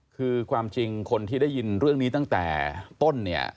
คือความจริงคนที่ได้ยินเรื่องนี้ตั้งแต่ต้นเนี่ย